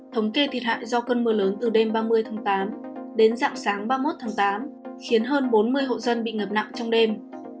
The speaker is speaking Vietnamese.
thống kê thiệt hại do cơn mưa lớn từ đêm ba mươi tháng tám đến dạng sáng ba mươi một tháng tám khiến hơn bốn mươi hộ dân bị ngập nặng trong đêm